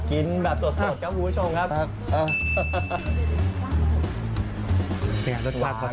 กินแบบสดจ้างหูชมครับ